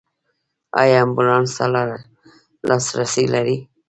ایا امبولانس ته لاسرسی لرئ؟